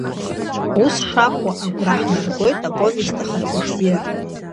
Ус шакәу агәра ҳнаргоит аповест ахаҭабзиара.